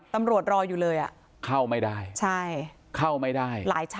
ตำรวจรออยู่เลยเข้าไม่ได้ใช่เข้าไม่ได้หลายชั้นค่ะ